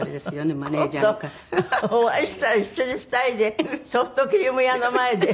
今度お会いしたら一緒に２人でソフトクリーム屋の前で。